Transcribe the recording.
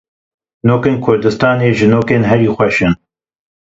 Nokên kurdistanê ji nokên herî xweş in.